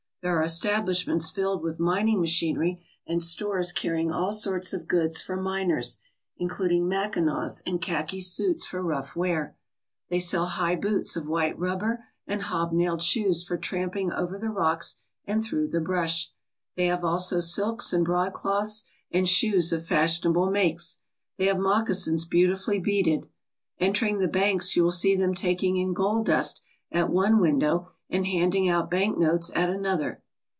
There are establish ments filled with mining machinery, and stores carry ing all sorts of goods for miners, including mackinaws and khaki suits for rough wear. They sell high boots of white rubber and hob nailed shoes for tramping over the rocks and through the brush. They have also silks and broadcloths and shoes of fashionable makes. They have moccasins beautifully beaded. Entering the banks you will see them taking in gold dust at one window and handing out bank notes at another.